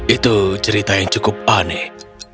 itu cerita yang cukup aneh